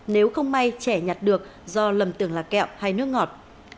nếu không may trẻ nhặt được do lầm tưởng là kẹo hay nước ngọt